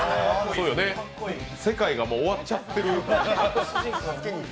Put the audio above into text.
世界が終わっちゃってる。